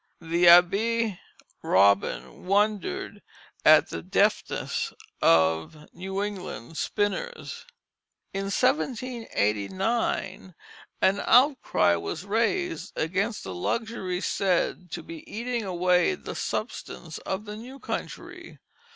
The Abbé Robin wondered at the deftness of New England spinners. In 1789 an outcry was raised against the luxury said to be eating away the substance of the new country.